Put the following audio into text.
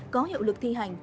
có hiệu lực thi hành